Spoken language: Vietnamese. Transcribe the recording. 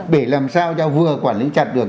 để làm sao cho vừa quản lý chặt được